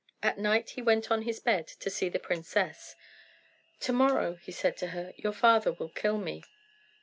At night he went on his bed to see the princess. "To morrow," he said to her, "your father will kill me."